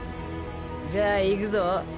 じゃあいくぞ？